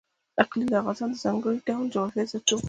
اقلیم د افغانستان د ځانګړي ډول جغرافیه استازیتوب کوي.